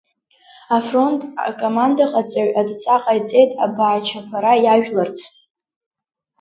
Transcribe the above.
Афронт акомандаҟаҵаҩ адҵа ҟаиҵеит абаачаԥара иажәларц.